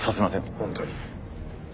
本当に？